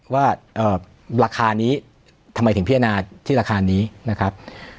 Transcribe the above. ว่าราคานี้ทำไมถึงพิจารณาที่ราคานี้นะครับ